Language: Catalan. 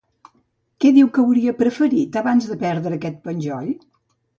Què diu que hauria preferit, abans que perdre aquest penjoll?